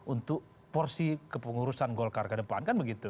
untuk porsi kepengurusan golkar ke depan kan begitu